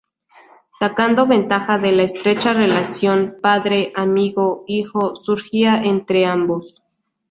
Sacando ventaja de la estrecha relación padre-amigo-hijo surgida entre ambos.